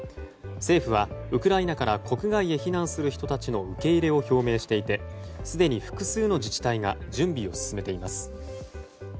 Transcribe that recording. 政府はウクライナから国外へ避難する人たちの受け入れを表明していてすでに複数の自治体が準備を進めています。